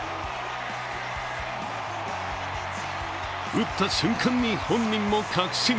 打った瞬間に本人も確信。